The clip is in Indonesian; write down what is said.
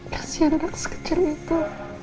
kasih anak sekecil itu